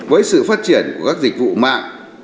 với sự phát triển của các dịch vụ mạng